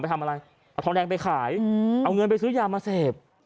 ทำอะไรเอาทองแดงไปขายเอาเงินไปซื้อยามาเสพ